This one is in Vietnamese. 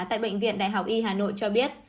tại bệnh viện đại học y hà nội cho biết